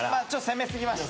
攻め過ぎました。